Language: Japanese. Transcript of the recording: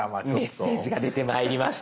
メッセージが出てまいりました。